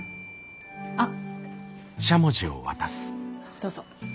あっどうぞ。